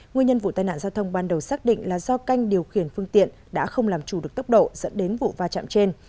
nguyên nhân vụ tai nạn giao thông ban đầu xác định là do canh điều khiển phương tiện đã không làm chủ được tốc độ dẫn đến vụ va chạm trên